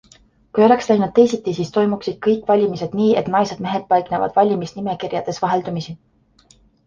Kui oleks läinud teisiti, siis toimuksid kõik valimised nii, et naised-mehed paiknevad valimisnimekirjades vaheldumisi.